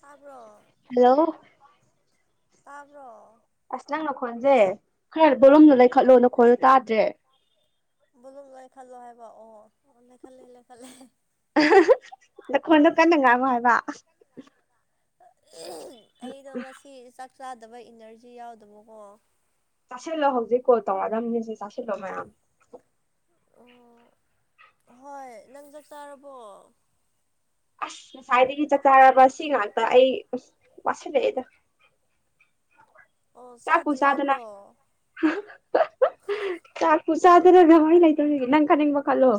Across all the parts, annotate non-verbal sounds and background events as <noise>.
ꯇꯥꯕ꯭ꯔꯣ ꯇꯥꯕ꯭ꯔꯣ ꯑꯁ ꯅꯪ ꯅꯈꯣꯟꯖꯦ ꯈꯔ ꯕꯣꯂꯨꯝꯗꯨ ꯂꯩꯈꯠꯂꯣ ꯅꯈꯣꯟꯗꯨ ꯇꯥꯗ꯭ꯔꯦ ꯕꯣꯂꯨꯝ ꯂꯩꯈꯠꯂꯣ ꯑꯣ ꯑꯣ ꯂꯩꯈꯠꯂꯦ ꯂꯩꯈꯠꯂꯦ ꯅꯈꯣꯟꯗꯣ ꯀꯟꯅ ꯉꯥꯏꯉꯣ ꯍꯥꯏꯕ ꯑꯩꯗꯣ ꯉꯁꯤ ꯆꯥꯛ ꯆꯥꯗꯕꯩ ꯏꯅꯔꯖꯤ ꯌꯥꯎꯗꯕꯀꯣ ꯆꯥꯁꯤꯜꯂꯣ ꯍꯧꯖꯤꯛ ꯀꯣꯜ ꯇꯧꯔꯛꯗꯕꯅꯤꯁꯦ ꯆꯥꯁꯤꯜꯂꯣ ꯃꯌꯥꯝ ꯑꯣ ꯍꯣꯏ ꯅꯪ ꯆꯥꯛ ꯆꯥꯔꯕꯣ ꯑꯁ ꯉꯁꯥꯏꯗꯒꯤ ꯆꯥꯛ ꯆꯔꯕꯔꯥ ꯁꯤ ꯉꯥꯛꯇ ꯑꯩ ꯑꯁ ꯋꯥꯁꯤꯜꯂꯛꯑꯦꯗ ꯑꯣ ꯆꯥꯛꯄꯨ ꯆꯥꯗ꯭ꯔꯤ ꯆꯥꯗꯅ ꯍꯥꯏꯕ꯭ꯔꯣ ꯆꯥꯛꯄꯨ ꯆꯗꯔꯦꯗꯥ ꯃꯤ ꯂꯩꯇꯕꯥꯒꯤ ꯅꯪ ꯈꯟꯅꯤꯡꯕ ꯈꯜꯂꯣ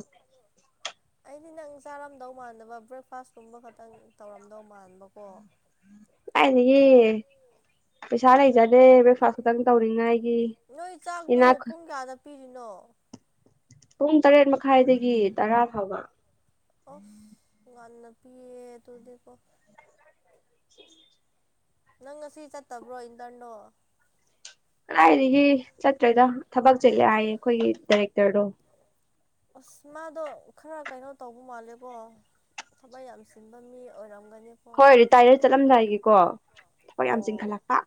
ꯑꯗꯨꯗꯤ ꯅꯪ ꯆꯥꯔꯝꯗꯧ ꯃꯥꯟꯗꯥꯕ ꯕ꯭ꯔꯦꯛꯐꯥꯁꯀꯨꯝꯕ ꯈꯛꯇꯪ ꯇꯧꯔꯝꯗꯧ ꯃꯥꯟꯕꯀꯣ ꯀꯥꯢꯗꯥꯒꯤ ꯄꯩꯁꯥ ꯂꯩꯖꯗꯦ ꯕ꯭ꯔꯦꯛꯐꯥꯁ ꯈꯛꯇꯪ ꯇꯧꯔꯤꯉꯥꯏꯒꯤ ꯅꯣꯏ ꯆꯥꯛꯇꯣ ꯏꯅꯥ ꯈꯨꯟ ꯄꯨꯡ ꯀꯌꯥꯗ ꯄꯤꯔꯤꯅꯣ ꯄꯨꯡ ꯇꯔꯦꯠ ꯃꯈꯥꯏꯗꯒꯤ ꯇꯔꯥ ꯐꯥꯎꯕ ꯑꯁ ꯉꯟꯅ ꯄꯤꯌꯦ ꯑꯗꯨꯗꯤꯀꯣ <inaudible> ꯅꯪ ꯉꯁꯤ ꯆꯠꯇꯕ꯭ꯔꯣ ꯏꯟꯇꯔꯟꯗꯣ ꯀꯗꯥꯏꯗꯒꯤ ꯆꯠꯇ꯭ꯔꯦꯗ ꯊꯕꯛ ꯆꯤꯜꯂꯦ ꯍꯥꯏꯌꯦ ꯑꯩꯈꯣꯏꯒꯤ ꯗꯥꯏꯔꯦꯛꯇꯔꯗꯣ ꯑꯁ ꯃꯥꯗꯣ ꯈꯔ ꯀꯩꯅꯣ ꯇꯧꯕ ꯃꯥꯜꯂꯦꯀꯣ ꯊꯕꯛ ꯌꯥꯝ ꯆꯤꯟꯕ ꯃꯤ ꯑꯣꯏꯔꯝ ꯍꯣꯏ ꯔꯤꯇꯥꯥꯏꯔꯠ ꯆꯠꯂꯝꯗꯥꯏꯒꯤꯀꯣ ꯊꯕꯛ ꯌꯥꯝ ꯑꯣ ꯆꯤꯡꯈꯠꯂꯛꯄ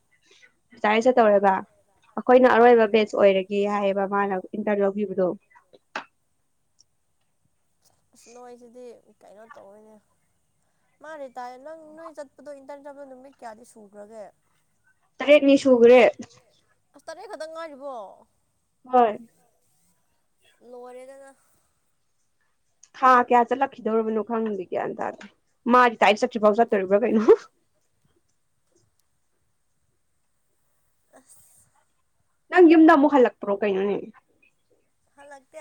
ꯆꯥꯏ ꯆꯠꯇꯧꯔꯕꯥ ꯑꯩꯈꯣꯏꯅ ꯑꯣ ꯑꯔꯣꯏꯕ ꯕꯦꯆ ꯑꯣꯏꯔꯒꯦ ꯍꯥꯏꯌꯦꯕ ꯃꯥꯅ ꯏꯟꯇꯔꯟꯗꯣ ꯅꯤꯕꯥꯗꯣ ꯑꯁ ꯅꯣꯏꯁꯤꯗꯤ ꯀꯩꯅꯣ ꯇꯧꯋꯦꯅꯦ ꯃꯥ ꯔꯤꯇꯥꯏꯌꯔꯠ꯭ ꯅꯪ ꯅꯣꯏ ꯆꯠꯄꯗꯣ ꯏꯟꯇꯔꯟ ꯆꯠꯄ ꯅꯨꯃꯤꯠ ꯀꯌꯥꯗꯤ ꯁꯨꯈ꯭ꯔꯒꯦ ꯇꯔꯦꯠꯅꯤ ꯁꯨꯈ꯭ꯔꯦ ꯑꯁ ꯇꯔꯦꯠ ꯈꯛꯇꯪ ꯉꯥꯏꯔꯤꯕꯣ ꯍꯣꯏ ꯂꯣꯔꯦꯗꯗ ꯊꯥ ꯀꯌꯥ ꯆꯠꯂꯛꯈꯤꯗꯧꯔꯤꯕꯅꯣ ꯈꯪꯕꯤ ꯀꯌꯥꯟ ꯇꯔꯦ ꯃꯥꯗꯤ ꯇꯥꯏꯏꯗꯤ ꯆꯠꯇ꯭ꯔꯤꯐꯥꯎ ꯆꯠꯇꯣꯔꯤꯕ꯭ꯔꯥ ꯀꯩꯅꯣ <inaudible> ꯑꯁ ꯅꯪ ꯌꯨꯝꯗ ꯑꯃꯣ ꯍꯜꯂꯛꯄ꯭ꯔꯣ ꯀꯩꯅꯣꯅꯦ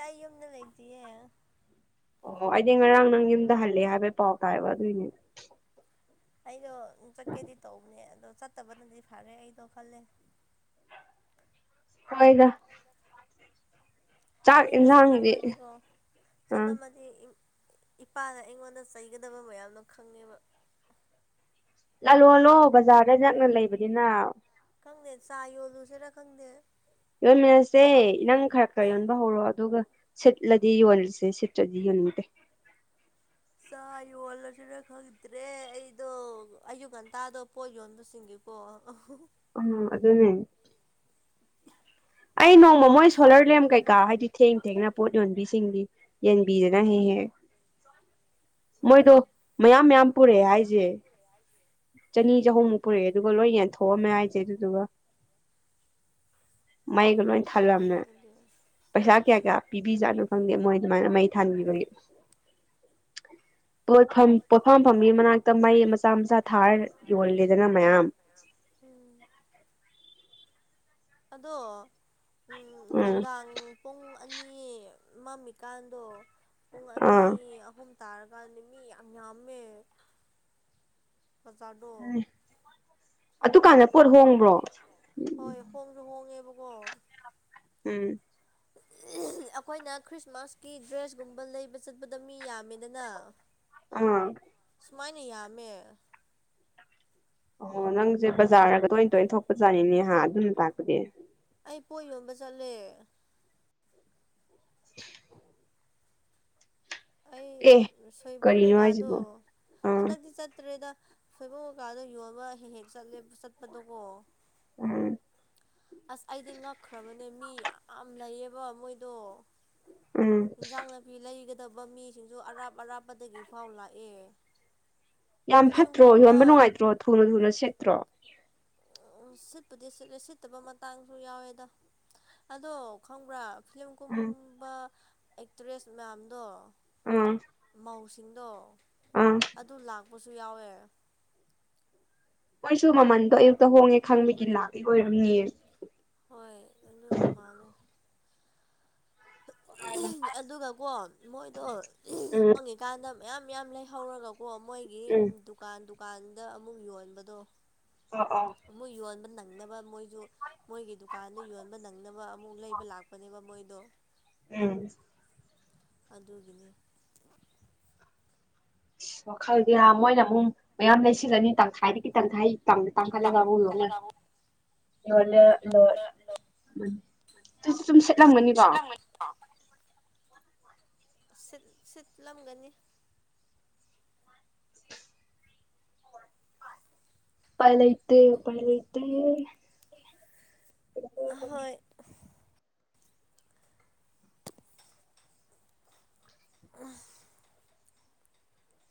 ꯑꯏ ꯑꯅ ꯂꯌꯦ ꯑꯣ ꯑꯩꯗꯤ ꯉꯔꯥꯡ ꯅꯪ ꯌꯨꯝꯗ ꯍꯜꯂꯦ ꯍꯥꯏꯕꯩ ꯄꯥꯎ ꯇꯥꯏꯕ ꯑꯗꯨꯏꯅꯦ ꯑꯩꯗꯣ ꯆꯠꯀꯦꯗꯤ ꯇꯧꯕꯅꯦ ꯑꯗꯣ ꯆꯠꯇꯕꯅꯗꯤ ꯐꯔꯦ ꯑꯩꯗꯣ ꯈꯜꯂꯦ <inaudible> ꯍꯣꯏꯗ ꯆꯥꯛ ꯏꯣ ꯁꯂꯝ ꯌꯦꯟꯁꯥꯡꯗꯤ ꯃꯗꯤꯒꯣ ꯑꯥ ꯁꯂꯝ ꯃꯗꯤ ꯏꯄꯥꯗ ꯑꯩꯉꯣꯟꯗ ꯆꯩꯒꯗꯕ ꯃꯌꯥꯝꯅꯣ ꯈꯪꯉꯦꯕ ꯂꯥꯜꯂꯣ ꯂꯥꯜꯂꯣ ꯕꯖꯥꯔꯗ ꯅꯛꯅ ꯂꯩꯕꯅꯤꯅ ꯈꯪꯗꯦ ꯆꯥ ꯌꯣꯜꯂꯨꯁꯤꯔ ꯈꯪꯗꯦ ꯌꯣꯟꯃꯤꯟꯅꯁꯦ ꯅꯪ ꯈꯔ ꯈꯔ ꯌꯣꯟꯕ ꯍꯧꯔꯣ ꯑꯗꯨꯒ ꯁꯤꯠꯂꯗꯤ ꯌꯣꯜꯂꯁꯦ ꯁꯤꯠꯇꯂꯗꯤ ꯌꯣꯟꯗꯦ ꯆꯥ ꯌꯣꯜꯂꯁꯤꯔ ꯈꯪꯗ꯭ꯔꯦ ꯑꯩꯗꯣ ꯑꯌꯨꯛ ꯉꯟꯇꯥꯗꯣ ꯄꯣꯠ ꯌꯣꯟꯕ ꯆꯁꯤꯡꯒꯦꯀꯣ ꯑ ꯑꯗꯨꯗꯅꯦ ꯑꯩ ꯅꯣꯡꯃ ꯃꯣꯏ ꯁꯣꯂꯔ ꯂꯦꯝ ꯀꯩꯀꯥ ꯍꯥꯏꯗꯤ ꯊꯦꯡ ꯊꯦꯡꯅ ꯄꯣꯠ ꯌꯣꯟꯕꯤꯁꯤꯡꯗꯤ ꯌꯦꯟꯕꯤꯗꯅ ꯍꯌꯦ ꯌꯦ ꯃꯣꯏꯗꯣ ꯎꯝ ꯃꯌꯥꯝ ꯃꯌꯥꯝ ꯄꯨꯔꯛꯑꯦ ꯍꯥꯏꯁꯦ ꯆꯅꯤ ꯆꯍꯨꯝꯃꯨꯛ ꯄꯨꯔꯛꯑꯦ ꯑꯗꯨꯒ ꯂꯣꯏ ꯌꯦꯟꯊꯣꯛꯑꯝꯃꯦ ꯍꯥꯏꯁꯦ ꯑꯗꯨꯗꯨꯒ ꯃꯩꯒ ꯂꯣꯏ ꯊꯜꯂꯝꯅꯦ ꯈꯪꯗꯦꯅꯦ ꯑꯩꯗꯤ ꯄꯩꯁꯥ ꯀꯌꯥ ꯀꯌꯥ ꯄꯤꯕꯤꯖꯥꯠꯅꯣ ꯈꯪꯗꯦ ꯃꯣꯏ ꯑꯗꯨꯃꯥꯏꯅ ꯃꯩ ꯊꯥꯟꯕꯤꯕꯒꯦ ꯄꯣꯠ ꯄꯣꯠꯐꯝꯐꯝꯒꯤ ꯃꯅꯥꯛꯇ ꯃꯩ ꯃꯆꯥ ꯃꯆꯥ ꯊꯥꯔ ꯌꯣꯂꯦꯗꯅ ꯃꯌꯥꯝ <inaudible> ꯎꯝ ꯑꯗꯣ ꯎ ꯎꯝ ꯅꯨꯡꯗꯥꯡ ꯄꯨꯡ ꯑꯅꯤ ꯃꯝꯃꯤꯀꯥꯟꯗꯣ ꯄꯨꯡ ꯑꯅꯤ ꯑꯥ ꯑꯍꯨꯝ ꯇꯔ ꯀꯥ ꯅꯨꯃꯤ ꯌꯥꯃꯦ ꯐ ꯆꯥꯗꯣ ꯑꯗꯨꯀꯥꯟꯗ ꯄꯣꯠ ꯍꯣꯡꯕ꯭ꯔꯣ ꯔ ꯎꯝ ꯑꯩꯈꯣꯏꯅ ꯈ꯭ꯔꯤꯁꯃꯥꯁꯀꯤ ꯗ꯭ꯔꯦꯁꯀꯨꯝꯕ ꯂꯩꯕ ꯆꯠꯄꯗ ꯃꯤ ꯌꯥꯝꯃꯤꯗꯅ ꯑꯥ ꯁꯨꯃꯥꯏꯅ ꯌꯥꯝꯃꯦ ꯑꯣꯍꯣ ꯅꯪꯁꯦ ꯕꯖꯥꯔꯒ ꯇꯣꯏꯅ ꯇꯣꯏꯅ ꯊꯣꯛꯄꯖꯥꯠꯅꯤꯅꯦ ꯑꯗꯨꯅ ꯇꯥꯛꯄꯗꯤ ꯑꯩ ꯄꯣꯏ ꯌꯣꯟꯕ ꯆꯠꯂꯦ ꯑꯦ ꯑꯩ ꯁꯣꯏꯕꯨꯝ ꯀꯔꯤꯅꯣ ꯀꯩꯀꯥꯗꯣ ꯍꯥꯏꯁꯤꯕꯣ ꯎꯝ ꯍꯟꯗꯛꯇꯤ ꯆꯠꯇ꯭ꯔꯦꯗ ꯁꯣꯏꯕꯨꯡ ꯀꯀꯥꯗ ꯌꯣꯟꯕ ꯍꯦꯛ ꯍꯦꯛ ꯆꯠꯂꯦ ꯆꯠꯄꯗꯣꯀꯣ ꯎꯝ ꯑꯁ ꯑꯩꯗꯤ ꯉꯛꯈ꯭ꯔꯕꯅꯦ ꯃꯤ ꯌꯥꯝ ꯂꯩꯌꯦꯕ ꯃꯣꯏꯗꯣ ꯎꯝ ꯏꯖꯥꯡꯅ ꯐꯤ ꯂꯩꯒ ꯐꯠꯇꯕ ꯃꯤꯁꯤꯡꯁꯨ ꯑꯔꯥꯞ ꯑꯔꯥꯞꯄꯗꯒꯤ ꯐꯥꯎ ꯂꯥꯛꯑꯦ ꯌꯥꯝ ꯐꯠꯇ꯭ꯔꯣ ꯐꯤꯂꯝꯒꯨꯝꯕ ꯌꯣꯟꯕ ꯅꯨꯡꯉꯥꯏꯇ꯭ꯔꯣ ꯊꯨꯅ ꯊꯨꯅ ꯁꯦꯠꯇ꯭ꯔꯣ ꯎ ꯁꯤꯠꯄꯨꯗꯤ ꯁꯤꯠꯂꯦ ꯁꯤꯠꯇꯕ ꯃꯇꯥꯡꯁꯨ ꯌꯥꯎꯋꯦꯗ ꯑꯗꯣ ꯈꯪꯕ꯭ꯔꯥ ꯎꯝ ꯐꯤꯂꯝꯒꯨꯝꯕ ꯑꯦꯛꯇ꯭ꯔꯦꯁ ꯃꯌꯥꯝꯗꯣ ꯎꯝ ꯃꯧꯁꯤꯡꯗꯣ ꯑꯗꯨ ꯂꯥꯛꯄꯁꯨ ꯌꯥꯎꯋꯦ ꯃꯣꯏꯁꯨ ꯃꯃꯟꯗꯣ ꯑꯌꯨꯛꯇ ꯍꯣꯡꯉꯦ ꯈꯪꯕꯒꯤ ꯂꯥꯛꯄ ꯑꯣꯏꯔꯝꯅꯤꯌꯦ ꯍꯣꯏ ꯑꯗꯨꯗꯨ ꯃꯥꯜꯂꯦ ꯑꯗꯨꯒꯀꯣ ꯃꯣꯏꯗꯣ ꯎꯝ ꯍꯣꯡꯉꯤꯀꯥꯟꯗ ꯃꯌꯥꯝ ꯌꯥꯝ ꯂꯩꯍꯧꯔꯒ ꯑꯣ ꯃꯣꯏꯒꯤ ꯎꯝ ꯗꯨꯀꯥꯟ ꯗꯨꯀꯥꯟꯗ ꯑꯃꯨꯛ ꯌꯣꯟꯕꯗꯣ ꯑꯣ ꯑꯣ ꯃꯣꯏ ꯌꯣꯟꯕ ꯅꯪꯅꯕ ꯃꯣꯏꯁꯨ ꯃꯣꯏꯒꯤ ꯗꯨꯀꯥꯟꯗ ꯌꯣꯟꯕ ꯅꯪꯅꯕ ꯑꯃꯨꯛ ꯂꯩꯕ ꯂꯥꯛꯄꯅꯦꯕ ꯃꯣꯏꯗꯣ ꯎꯝ ꯑꯗꯨꯒꯤꯅꯤ ꯑ ꯋꯥꯈꯜꯗꯤ ꯃꯣꯏꯅ ꯑꯃꯨꯛ ꯃꯌꯥꯝ ꯂꯩꯁꯤꯜꯂꯅꯤ ꯇꯪꯈꯥꯏꯗꯒꯤ ꯇꯪꯈꯥꯏ ꯥꯡ ꯇꯥꯡꯈꯥꯏꯂ ꯌꯥꯕ ꯌꯣ ꯂꯣꯠ ꯂꯣ ꯂꯣꯠ ꯁꯨꯁꯨ ꯁꯨꯝ ꯁꯦꯠꯂꯝꯒꯅꯤꯀꯣ <unintelligible> ꯁꯤꯠ ꯁꯤꯠꯂꯝꯒꯅꯤ ꯄꯥꯏꯂ ꯏꯇꯦ ꯄꯥꯏꯂ ꯏꯇꯦ ꯍꯣꯏ ꯑ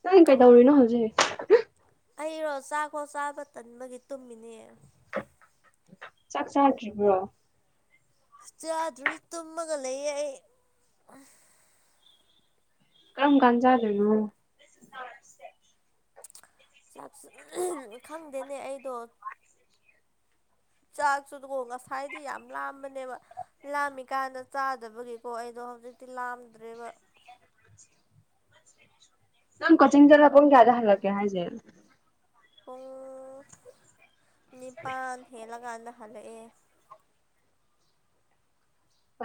ꯀ ꯀꯩꯗꯧꯔꯤꯅꯣ ꯍꯧꯖꯤꯛ ꯍꯩꯔꯣ ꯆꯥꯛꯈꯣ ꯆꯥꯕ ꯇꯟꯕꯒꯤ ꯇꯨꯝꯃꯤꯅꯦ ꯆꯥꯛ ꯆꯥꯗ꯭ꯔꯤꯕ꯭ꯔꯣ ꯆꯥꯗ꯭ꯔꯔꯤ ꯇꯨꯝꯃꯒ ꯂꯩꯌꯦ ꯑꯩ ꯀꯔꯝ ꯀꯟꯖꯥꯗꯅꯣ ꯆꯥꯛ ꯈꯪꯗꯦꯅꯦ ꯑꯩꯗꯣ ꯆꯥꯛꯁꯨꯨꯗꯀꯣ ꯉꯁꯥꯏꯗꯤ ꯌꯥꯝ ꯂꯥꯝꯕꯅꯦꯕ ꯂꯥꯝꯃꯤꯀꯥꯟꯗ ꯆꯥꯗꯕꯒꯤꯀꯣ ꯑꯩꯗꯣ ꯍꯧꯖꯤꯛꯇꯤ ꯂꯥꯝꯗ꯭ꯔꯦꯕ ꯄꯨ ꯅꯪ ꯀꯛꯆꯤꯡꯗ ꯂꯄ ꯀꯦꯗ ꯍꯜꯂꯛꯀꯦ ꯍꯥꯏꯁꯦ ꯄꯨꯡ ꯅꯤꯄꯥꯥꯟ ꯍꯦꯜꯂꯀꯥꯟꯗ ꯍꯜꯂꯛꯑꯦ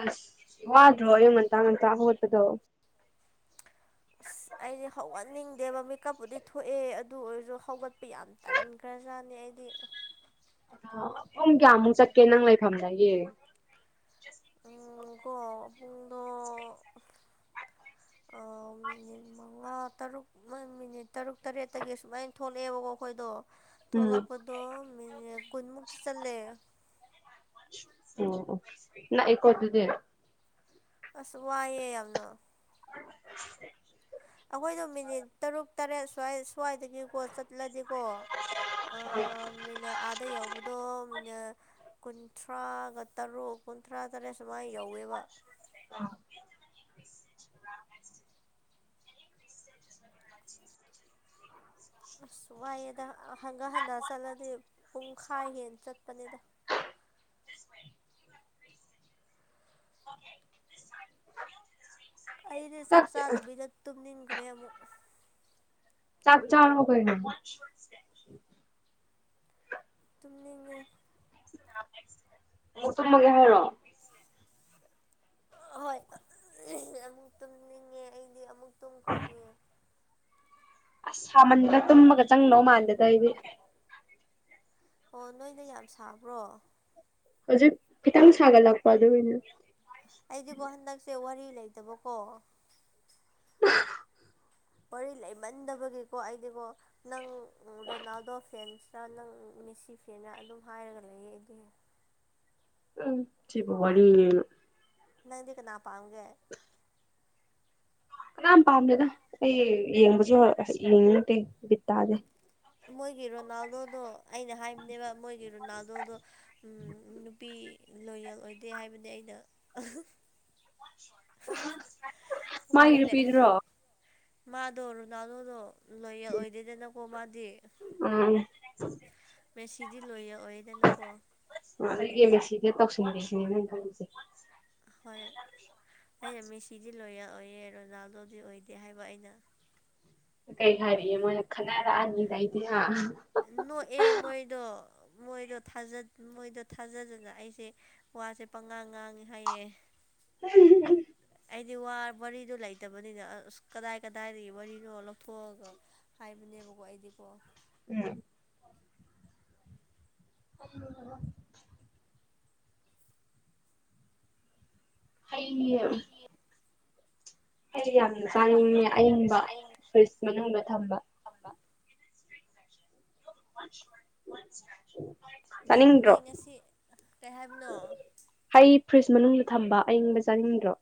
ꯑꯁ ꯋꯥꯗ꯭ꯔꯣ ꯌ ꯃꯟꯇꯥ ꯃꯟꯇꯥ ꯍꯠꯇꯗ ꯑꯁ <unintelligible> ꯑꯩꯗꯤ ꯍꯧꯒꯠꯅꯤꯡꯗꯦꯕ ꯃꯤꯦꯀꯞꯄꯨꯗꯤ ꯊꯣꯛꯑꯦ ꯑꯗꯨ ꯑꯣꯏꯔꯁꯨ ꯍꯧꯒꯠꯄ ꯌꯥꯝ ꯇꯥꯟꯈ꯭ꯔꯖꯥꯠꯅꯤ ꯑꯩ ꯄꯨꯡ ꯀꯌꯥꯃꯨꯛ ꯆꯠꯀꯦ ꯅꯪ ꯂꯩꯐꯝꯗꯌꯦ ꯀꯣꯕꯨꯡꯗ ꯃꯉꯥ ꯇꯔꯨꯛ ꯃꯤꯅꯤꯠ ꯇꯔꯨꯛ ꯇꯔꯦꯠꯇꯒꯤ ꯁꯨꯃꯥꯏꯅ ꯊꯣꯛꯂꯛꯑꯦꯕꯀꯣ ꯑꯩꯈꯣꯏꯗꯣ ꯎꯝ ꯊꯣꯛꯣꯂꯛꯄꯗꯣ ꯀꯨꯟꯃꯨꯛꯇꯤ ꯆꯠꯂꯦ ꯑꯣ ꯀꯣꯗꯗꯤ ꯑꯁ ꯋꯥꯏꯑꯦ ꯌꯥꯝꯅ <unintelligible> ꯑꯩꯈꯣꯏꯗꯣ ꯃꯤꯅꯤꯠ ꯇꯔꯨꯛ ꯇꯔꯦꯠ ꯁ꯭ꯋꯥꯏ ꯁ꯭ꯋꯥꯏꯗꯒꯤꯀꯣ ꯆꯠꯂꯗꯤ ꯀꯣ ꯃꯤꯅ ꯑꯥꯗ ꯌꯧꯕꯗꯣ ꯃꯤꯅ ꯀꯨꯟꯊ꯭ꯔꯥꯒ ꯇꯔꯨꯛ ꯀꯨꯟꯊ꯭ꯔꯥ ꯇꯔꯦꯠ ꯁꯨꯃꯥꯏꯅ ꯌꯧꯋꯦꯕ <unintelligible> <unintelligible> ꯑꯁ ꯋꯥꯏꯌꯦꯗ ꯍꯪꯒꯥ ꯍꯟꯗ ꯆꯠꯂꯗꯤ ꯄꯨꯡ ꯈꯥꯏ ꯍꯦ ꯆꯠꯄꯅꯦꯗ <unintelligible> ꯑꯩꯗꯤ ꯆꯥꯛ ꯆꯥꯗꯕꯤꯗ ꯇꯨꯝꯅꯤꯡꯈ꯭ꯔꯦ ꯑꯃꯨꯛ ꯆꯥꯛ ꯆꯔ ꯋꯥ ꯀꯩ ꯇꯨꯝꯅꯅꯦ ꯃꯁꯨꯃꯒꯦ ꯍꯥꯏꯔꯣ ꯍꯣꯏ ꯑꯃꯨꯛ ꯇꯨꯝꯅꯤꯡꯉꯦ ꯑꯩꯗꯤ ꯑꯃꯨꯛ ꯇꯨꯝꯈ꯭ꯔꯅꯤ ꯑꯁ ꯁꯥꯃꯟꯅ ꯇꯨꯝꯃꯒ ꯆꯪꯅꯧ ꯃꯥꯜꯂꯦꯗ ꯑꯩꯗꯤ ꯑꯣ ꯅꯣꯏꯅ ꯌꯥꯝ ꯁꯥꯕ꯭ꯔꯣ ꯍꯧꯖꯤꯛ ꯈꯤꯇꯪ ꯁꯥꯒꯠꯂꯛꯄ ꯑꯗꯨꯒꯤꯅꯦ ꯑꯩꯗꯤꯕꯨꯣ ꯍꯟꯗꯛꯁꯦ ꯋꯥꯔꯤ ꯂꯩꯇꯕꯀꯣ ꯋꯥꯔꯤ ꯂꯩꯃꯟꯗꯕꯒꯤꯀꯣ ꯑꯩꯗꯤꯀꯣ ꯅꯪ ꯔꯣꯅꯥꯜꯗꯣ ꯐꯦꯟꯁ ꯅꯪ ꯃꯦꯁꯤ ꯐꯦꯅ ꯑꯗꯨꯝ ꯍꯥꯏꯔꯒ ꯂꯩꯌꯦ ꯑꯩꯗꯤ ꯎꯝ ꯁꯤ ꯋꯥꯔꯤ ꯅꯪꯗꯤ ꯀꯅꯥ ꯄꯥꯝꯒꯦ ꯌꯥꯝ ꯄꯥꯝꯃꯦꯗ ꯑꯩ ꯌꯦꯡꯕꯁꯨ ꯌꯦꯡꯅꯤꯡ ꯅꯠꯇꯦ ꯕꯤꯠ ꯇꯥꯗꯦ ꯃꯣꯏꯒꯤ ꯔꯣꯅꯥꯜꯗꯣꯗꯣ ꯑꯩꯅ ꯍꯥꯏꯕꯅꯦꯕ ꯃꯣꯏꯒꯤ ꯔꯣꯅꯥꯜꯗꯣꯗꯣ ꯅꯨꯄꯤ ꯂꯣꯌꯦꯜ ꯑꯣꯏꯗꯦ ꯍꯥꯏꯕꯅꯤ ꯑꯩꯅ ꯃꯥ ꯋꯥꯔꯤ ꯂꯩ ꯏꯔꯄꯤꯗ꯭ꯔꯣ ꯃꯥꯗꯣ ꯔꯣꯅꯥꯜꯗꯣꯗꯣ ꯂꯣꯏꯌꯦꯜ ꯑꯣꯏꯗꯣꯏꯗꯅꯀꯣ ꯃꯥ ꯑꯥ ꯃ ꯁꯤꯗꯤ ꯂꯣꯏꯌꯦ ꯑꯣꯏꯗ ꯂꯀꯣ ꯑꯣ ꯑꯗꯗꯒꯤ ꯑꯦꯝ ꯑꯦꯁ ꯁꯤꯗ ꯇꯧꯁꯤꯟꯈꯁꯤꯅꯦ ꯅꯩꯅ ꯈꯔꯤꯁꯦ ꯍꯣꯏ ꯑꯩꯅ ꯃꯦꯁꯤꯗꯤ ꯂꯣꯌꯦꯔ ꯑꯣꯏꯌꯦ ꯔꯣꯅꯥꯜꯗꯣꯗꯤ ꯑꯣꯏꯗꯦ ꯍꯥꯏꯕ ꯑꯩꯅ ꯀꯩ ꯍꯥꯏꯔꯤꯌꯦ ꯃꯣꯏꯅ ꯈꯟꯅꯔꯛꯑꯅꯤꯗꯥꯏꯗꯤ ꯑꯣ ꯑꯦ ꯃꯣꯏꯗꯣ ꯃꯣꯏꯗꯣ ꯃꯣꯏꯗꯣ ꯊꯥꯖꯗꯅ ꯑꯩꯁꯦ ꯋꯥꯁꯦ ꯄꯪꯉꯥ ꯉꯥꯡ ꯉꯥꯡꯉꯦ ꯍꯥꯏꯌꯦ <inaudible> ꯍꯥꯏꯗꯤꯗꯨ ꯂꯩꯇꯕꯅꯤꯅ ꯑꯁ ꯀꯗꯥꯏ ꯀꯗꯥꯏꯗꯒꯤ ꯋꯥꯔꯤꯅꯣ ꯂꯧꯊꯣꯛꯑꯒ ꯍꯥꯏꯕꯅꯤ ꯕꯀꯥꯏꯗꯤꯀꯣ ꯎꯝ ꯎꯝ ꯍꯌꯦ ꯑꯩꯗꯤ ꯌꯥꯝꯅ ꯌꯥꯝꯅ ꯆꯥꯅꯤꯡꯉꯦ ꯑꯏꯪꯕ ꯑꯌꯪꯕ ꯐ꯭ꯋꯔꯤꯁ ꯃꯅꯨꯡꯗ ꯊꯝꯕ ꯊꯝꯕ <inaudible> ꯅꯪꯗꯤ ꯆꯥꯅꯤꯡꯗ꯭ꯔꯣ ꯉꯁꯤ ꯀꯩ ꯍꯥꯏꯕꯅꯣ ꯍꯩ ꯐ꯭ꯔꯤꯖ ꯃꯅꯨꯡꯗ ꯊꯝꯕ ꯑꯏꯪꯕ ꯆꯥꯅꯤꯡꯗ꯭ꯔꯣ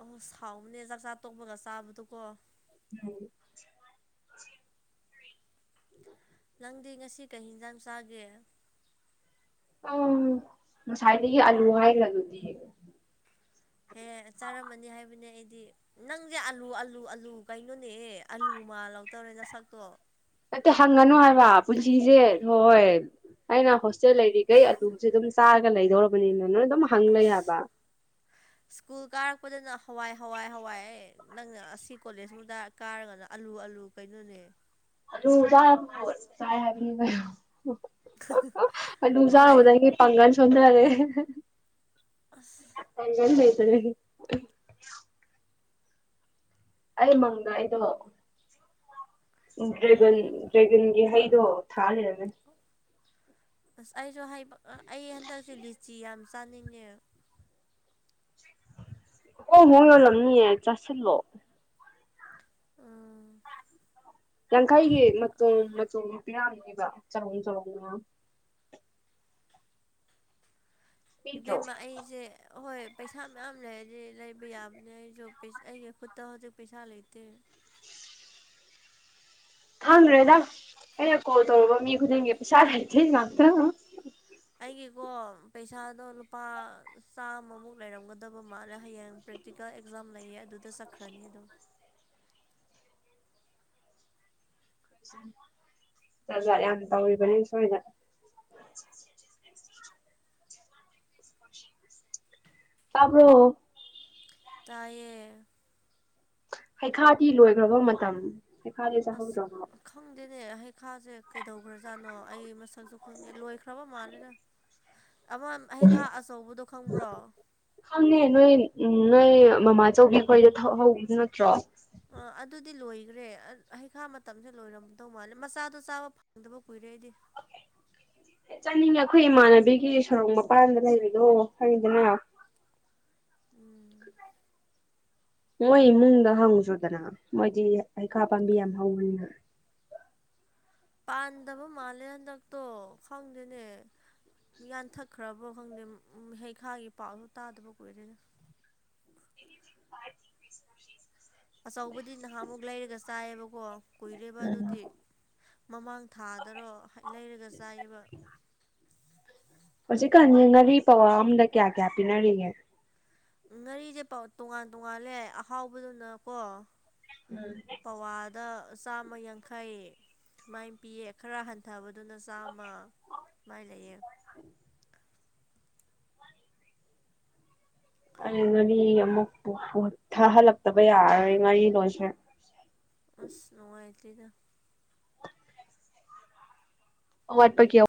ꯑꯍ ꯁꯥꯎꯕꯅꯦ ꯆꯥꯛꯆꯥ ꯇꯣꯛꯄꯒ ꯆꯥꯕꯗꯨꯀꯣ ꯎꯝ ꯅꯪꯗꯤ ꯉꯁꯤ ꯀꯩ ꯌꯦꯟꯁꯥꯡ ꯆꯥꯒꯦ ꯑ ꯉꯁꯥꯏꯗꯒꯤ ꯑꯂꯨ ꯍꯥꯏꯈ꯭ꯔ ꯑꯗꯨꯗꯤ ꯍꯦ <inaudible> ꯆꯥꯔꯝꯃꯅꯤ ꯍꯥꯏꯕꯅꯦ ꯑꯩꯗꯤ ꯅꯪꯁꯦ ꯑꯂꯨ ꯑꯥꯂꯨ ꯑꯥꯂꯨ ꯀꯩꯅꯣꯅꯦ ꯑꯥꯂꯨ ꯃꯥ ꯂꯧꯕ ꯅ ꯁꯥꯛꯇꯣ ꯑꯠꯇ ꯍꯪꯉꯅꯨ ꯍꯥꯏꯕ ꯄꯨꯟꯁꯤꯁꯦ ꯍꯣꯏ ꯑꯩꯅ ꯍ ꯁꯦ ꯂꯩꯔꯤꯈꯩ ꯑꯗꯨꯁꯦ ꯑꯗꯨꯝ ꯆꯥꯔꯒ ꯂꯩꯗꯧꯔꯕꯅꯤꯅ ꯅꯣꯏ ꯑꯗꯨꯝ ꯍꯪ ꯂꯩꯦ ꯑꯁ ꯍꯥꯏꯕ ꯁ꯭ꯀꯨꯜ ꯀꯥꯔꯛꯄꯗꯅ ꯍꯋꯥꯏ ꯍꯋꯥꯏ ꯍꯋꯥꯏ ꯅꯪꯅ ꯑꯁꯤ ꯀꯣꯂꯦꯖꯃꯨꯛꯇ ꯀꯥꯔꯒꯅ ꯑꯥꯂꯨ ꯑꯥꯂꯨ ꯀꯩꯅꯣ ꯅꯦ ꯀ ꯀ ꯍꯥꯏ <unintelligible> <unintelligible> ꯑꯗꯨꯖꯥ ꯍꯣꯏ ꯑꯣꯗꯗꯒꯤ ꯄꯪꯉꯅ ꯆꯗ꯭ꯔꯔꯦ ꯑꯁ ꯀꯅꯤ ꯀꯩ ꯑꯩ ꯃꯪꯗ ꯑꯩꯗꯣ ꯗ꯭ꯔꯒꯟ ꯎꯝ ꯗ꯭ꯔꯒꯟꯒꯤ ꯍꯩꯗ ꯊꯥ ꯂꯩ ꯑꯗꯨꯅꯦ ꯑꯁ ꯑꯩꯁꯨ ꯍꯥꯏꯕ ꯑꯩ ꯍꯟꯗꯛꯁꯨ ꯂꯤꯆꯤ ꯌꯥꯝ ꯆꯥꯅꯤꯡꯉꯦ ꯑꯣ ꯃꯣꯏ ꯑꯣꯏꯂꯝꯅꯤ ꯆꯥꯁꯤꯜꯂꯣ ꯑꯥ ꯌꯥꯡꯈꯩꯒꯤ ꯃꯇꯨꯝ ꯃꯆꯨꯝ ꯄꯤꯌꯥꯝ ꯑꯣꯏꯕ ꯆꯍꯣꯡ ꯆꯍꯣꯡꯅ ꯄꯤꯗ꯭ꯔꯣ ꯏꯕꯦꯝꯃ ꯑꯩꯁꯦ ꯑꯍꯣꯏ ꯄꯩꯁꯥ ꯃꯌꯥꯝ ꯂꯩꯔꯗꯤ ꯂꯩꯕ ꯌꯥꯕꯅꯦ ꯑꯩꯁꯨ ꯑꯩꯒꯤ ꯈꯨꯠꯇ ꯍꯧꯖꯤꯛ ꯄꯩꯁꯥ ꯂꯩꯇꯦ ꯈꯪꯗ꯭ꯔꯦꯗ ꯑꯩꯅ ꯀꯣꯜ ꯇꯧꯔꯨꯕ ꯃꯤ ꯈꯨꯗꯤꯡꯒꯤ ꯄꯩꯁꯥ ꯂꯩꯇꯦ ꯉꯥꯛꯇ ꯑꯩꯒꯤꯀꯣ ꯄꯩꯁꯥꯗꯣ ꯂꯨꯄꯥ ꯆꯥꯝꯃꯃꯨꯛ ꯂꯩꯔꯝꯒꯗꯕ ꯃꯥꯜꯂꯦ ꯍꯌꯦꯡ ꯄ꯭ꯔꯦꯛꯇꯤꯀꯦꯜ ꯑꯦꯛꯖꯥꯝ ꯂꯩꯌꯦ ꯑꯗꯨꯗ ꯆꯠꯈ꯭ꯔꯅꯤ ꯑꯗꯨꯝ ꯖꯥꯠ ꯌꯥꯝ ꯇꯧꯔꯤꯕꯅꯤ ꯁꯣꯏꯗ ꯇꯥꯕ꯭ꯔꯣ ꯇꯌꯦ ꯍꯩꯈꯥꯗꯤ ꯂꯣꯏꯈ꯭ꯔꯕ ꯃꯇꯝ ꯍꯩꯈꯥꯗꯤ ꯆꯥꯍꯧꯗ꯭ꯔꯕ ꯁꯤꯅꯦ ꯍꯩꯈꯥꯁꯦ ꯀꯩꯗꯧꯈ꯭ꯔꯖꯥꯠꯅꯣ ꯑꯩ ꯃꯁꯛꯁꯨ ꯈꯪꯗꯦ ꯂꯣꯏꯈ꯭ꯔꯕ ꯃꯥꯜꯂꯦꯅ ꯑꯃ ꯑꯩ ꯈꯥꯛ ꯑꯆꯧꯕꯗꯣ ꯈꯪꯕ꯭ꯔꯣ ꯈꯪꯉꯦ ꯅꯣꯏ ꯎꯝ ꯅꯣꯏ ꯃꯃꯥꯆꯧꯕꯤ ꯈꯣꯏꯗ ꯍꯧꯕ ꯅꯠꯇ꯭ꯔꯣ ꯑꯥ ꯑꯗꯨꯗꯤ ꯂꯣꯏꯈ꯭ꯔꯦ ꯍꯩꯈꯥ ꯃꯇꯝꯁꯦ ꯂꯣꯏꯔꯝꯗꯧ ꯃꯥꯜꯂꯦ ꯃꯆꯥꯗꯣ ꯆꯥꯕ ꯐꯪꯗꯕ ꯀꯨꯏꯔꯦꯗꯤ ꯍ ꯆꯥꯅꯤꯡꯉꯦ ꯑꯩꯈꯣꯏ ꯏꯃꯥꯟꯅꯕꯤꯒꯤ ꯁꯣꯔꯣꯛ ꯃꯄꯥꯟꯗ ꯂꯩꯕꯗꯣ ꯍꯥꯏꯪꯗꯅ ꯎꯝ ꯃꯣꯏ ꯏꯃꯨꯡꯗ ꯍꯪꯉꯨꯁꯨ꯭ꯔꯗꯅ ꯃꯣꯏꯗꯤ ꯍꯩꯈꯥ ꯄꯥꯝꯕꯤ ꯌꯥꯝ ꯍꯧꯋꯅꯤꯅ ꯄꯥꯟꯗꯕ ꯃꯥꯜꯂꯦ ꯍꯟꯗꯛꯇꯣ ꯈꯪꯗꯦꯅꯦ ꯌꯥꯟꯊꯛꯈ꯭ꯔꯕ꯭ꯔꯣ ꯈꯪꯗꯦ ꯍꯩꯈꯥꯒꯤ ꯄꯥꯛꯁꯨ ꯇꯥꯗꯕ ꯀꯨꯏꯔꯦꯅ <unintelligible> ꯑꯆꯧꯕꯗꯤ ꯅꯍꯥꯟꯃꯨꯛ ꯂꯩꯔꯒ ꯆꯥꯏꯑꯕꯀꯣ ꯀꯨꯏꯔꯦꯕ ꯑꯗꯨꯗꯤ ꯃꯃꯥꯡ ꯊꯥꯗꯔꯣ ꯂꯩꯔꯒ ꯆꯥꯏꯌꯦꯕ ꯍꯧꯖꯤꯛꯀꯥꯟ ꯌꯦꯡꯅꯔꯤ ꯄꯋꯥ ꯑꯝꯗ ꯀꯌꯥ ꯀꯌꯥ ꯄꯤꯅꯔꯤꯒꯦ ꯉꯥꯔꯤꯁꯦ ꯇꯣꯉꯥꯟ ꯇꯣꯉꯥꯜꯂꯦ ꯑꯍꯥꯎꯕꯗꯨꯅꯀꯣ ꯄꯋꯥꯗ ꯆꯥꯝꯃ ꯌꯥꯡꯈꯩ ꯁꯨꯃꯥꯏꯅ ꯄꯤꯌꯦ ꯈꯔ ꯍꯟꯊꯕꯗꯨꯅ ꯆꯥꯝꯃ ꯥꯏ ꯂꯩꯌꯦ ꯑꯩ ꯉꯥꯔꯤ ꯑꯃꯨꯛ ꯊꯥꯍꯜꯂꯛꯇꯕ ꯌꯥꯔꯔꯣꯏ ꯉꯥꯔꯤ ꯂꯣꯟꯁꯦ ꯑꯁ ꯅꯉꯥꯏꯇꯗ ꯑꯣ ꯋꯥꯠꯄ ꯀ